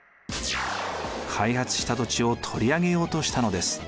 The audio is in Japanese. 開発した土地を取り上げようとしたのです。